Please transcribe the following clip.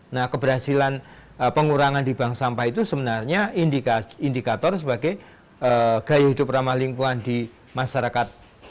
nah keberhasilan pengurangan di bank sampah itu sebenarnya indikator sebagai gaya hidup ramah lingkungan di masyarakat